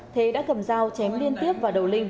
thế đã cầm dao chém liên tiếp vào đầu linh